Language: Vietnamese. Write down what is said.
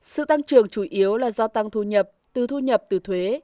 sự tăng trưởng chủ yếu là do tăng thu nhập từ thu nhập từ thuế